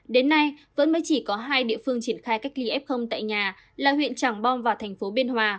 đến nay vẫn mới chỉ có hai địa phương triển khai cách ly f tại nhà là huyện trảng bom và thành phố biên hòa